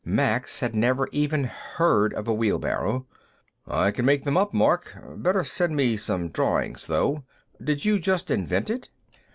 Max had never even heard of a wheelbarrow. "I can make them up, Mark; better send me some drawings, though. Did you just invent it?"